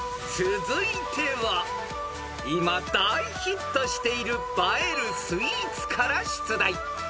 ［続いては今大ヒットしている映えるスイーツから出題］